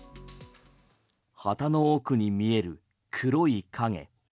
旗の奥に見える黒い影。